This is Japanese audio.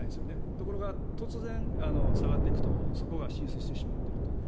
ところが突然、下がっていくとそこが浸水してしまうと。